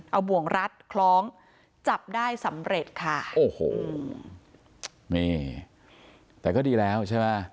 เอาบ่วงรัดคล้องจับได้สำเร็จค่ะโอ้โหนี่แต่ก็ดีแล้วใช่ไหม